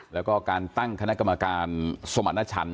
แล้วก็การตั้งคณะกรรมการสมรรถฉัน